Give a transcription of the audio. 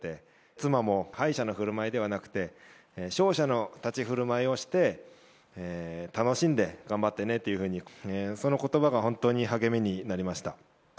妻も、敗者のふるまいではなくて、勝者の立ち居振る舞いをして、楽しんで頑張ってねというふうに、そのことばが本当に励みになりました。